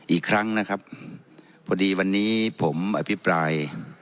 อีกครั้งนะครับพอดีวันนี้ผมอภิปราย